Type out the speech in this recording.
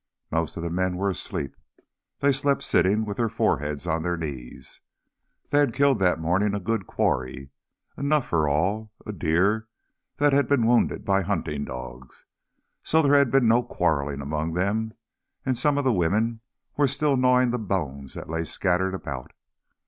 Most of the men were asleep they slept sitting with their foreheads on their knees. They had killed that morning a good quarry, enough for all, a deer that had been wounded by hunting dogs; so that there had been no quarrelling among them, and some of the women were still gnawing the bones that lay scattered about.